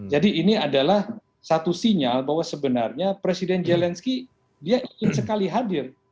jadi ini adalah satu sinyal bahwa sebenarnya presiden zelensky dia ingin sekali hadir